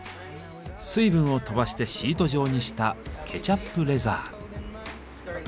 水分をとばしてシート状にしたケチャップレザー。